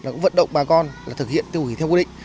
cũng vận động bà con thực hiện tiêu hủy theo quy định